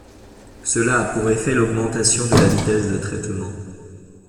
Cela a pour effet l'augmentation de la vitesse de traitement.